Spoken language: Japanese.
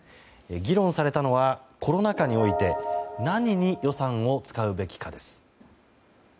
議論されたのはコロナ禍において何に予算を使うべきかです。